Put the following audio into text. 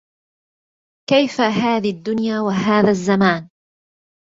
كيف هذي الدنيا وهذا الزمان